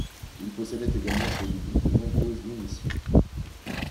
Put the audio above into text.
Il possédait également chez lui de nombreuses munitions.